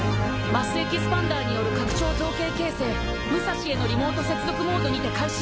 泪・エキスパンダーによる拡張造形形成爛汽靴悗リモート接続モードにて開始。